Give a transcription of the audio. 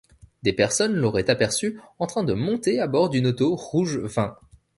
Des personnes l'auraient aperçue en train de monter à bord d'une auto rouge vin.